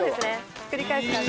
ひっくり返す感じ。